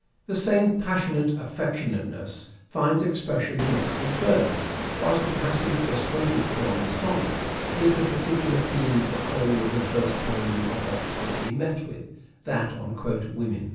The same passionate affectionateness finds expression in Oxford's verse, whilst the passage just quoted from the Sonnets is the particular theme of the whole of the first poem of Oxford's we met with : that on " Women."